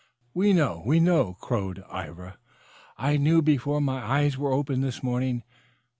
"We know, we know!" crowed Ivra. "I knew before my eyes were open this morning.